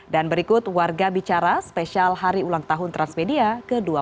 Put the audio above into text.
dan berikut warga bicara spesial hari ulang tahun transmedia ke dua puluh satu